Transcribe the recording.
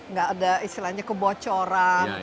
nggak ada istilahnya kebocoran